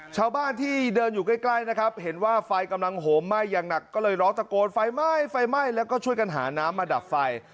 ชาวบ้านที่เดินอยู่ใกล้นะครับเห็นว่าไฟกำลังโหมไหม้อย่างหนักก็เลยร้องตะโกนไฟไหม้ไฟไหม้แล้วก็ช่วยกันหาน้ำมาดับไฟ